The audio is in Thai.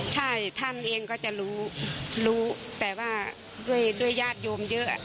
ใช่ท่านเองก็จะรู้รู้แต่ว่าด้วยญาติโยมเยอะ